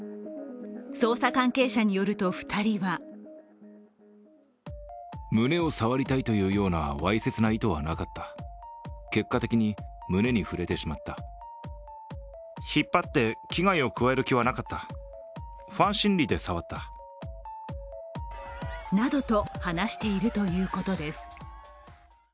捜査関係者によると２人はなどと話しているということです。